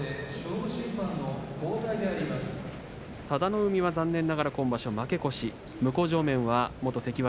佐田の海は残念ながら今場所、負け越しです。